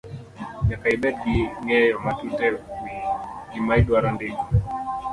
nyaka ibed gi ng'eyo matut e wi gima idwaro ndiko.